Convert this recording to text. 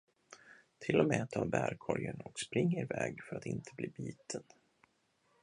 Till och med ta bärkorgen och springa er väg för att inte bli biten?